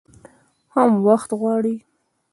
هم وخت غواړي .